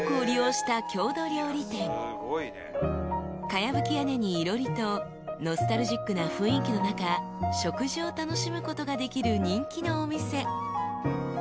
［かやぶき屋根にいろりとノスタルジックな雰囲気の中食事を楽しむことができる人気のお店］